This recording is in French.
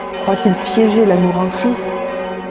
Croit-il piéger l’amour enfui?